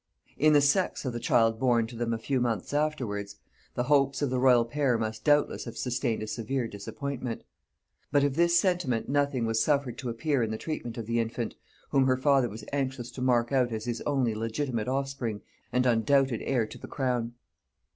In the sex of the child born to them a few months afterwards, the hopes of the royal pair must doubtless have sustained a severe disappointment: but of this sentiment nothing was suffered to appear in the treatment of the infant, whom her father was anxious to mark out as his only legitimate offspring and undoubted heir to the crown.